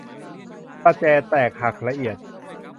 ประแจแตกหักละเอียด